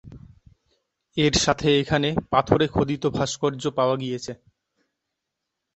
এর সাথে এখানে পাথরে খোদিত ভাস্কর্য পাওয়া গিয়েছে।